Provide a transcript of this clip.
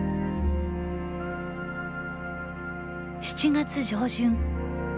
７月上旬。